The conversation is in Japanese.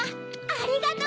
ありがとう！